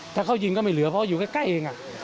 ถ้าเขายิงก็ไม่เหลือเพราะอยู่ใกล้เอง